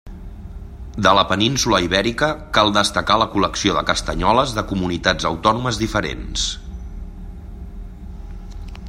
De la península Ibèrica cal destacar la col·lecció de castanyoles de comunitats autònomes diferents.